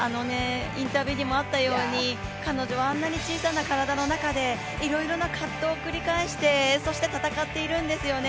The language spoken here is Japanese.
インタビューにもあったように、彼女はあんなに小さな体の中でいろいろな葛藤を繰り返してそして戦っているんですよね。